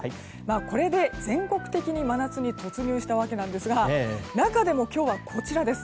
これで全国的に真夏に突入したわけなんですが中でも今日はこちらです。